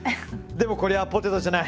でもこれはポテトじゃない。